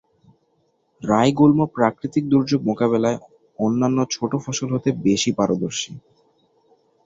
রাই গুল্ম প্রাকৃতিক দুর্যোগ মোকাবেলায় অন্যান্য ছোট ফসল হতে বেশি পারদর্শী।